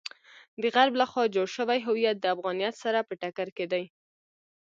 د غرب لخوا جوړ شوی هویت د افغانیت سره په ټکر کې دی.